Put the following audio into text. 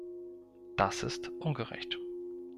Das ist ungerecht.